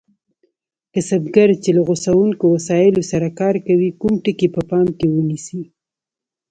کسبګر چې له غوڅوونکو وسایلو سره کار کوي کوم ټکي په پام کې ونیسي؟